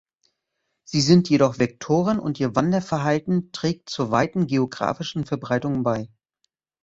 Sie sind jedoch Vektoren und ihr Wanderverhalten trägt zur weiten geografischen Verbreitung bei.